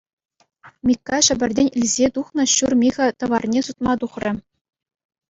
Микка Ҫӗпӗртен илсе тухнӑ ҫур михӗ тӑварне сутма тухрӗ.